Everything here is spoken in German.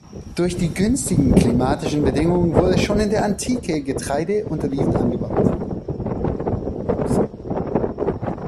Durch die günstigen klimatischen Bedingungen wurden schon in der Antike Getreide und Oliven angebaut.